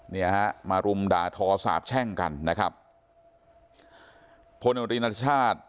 เนี่ยฮะมารุมด่าทอสาบแช่งกันนะครับพลโนรีนัชชาติ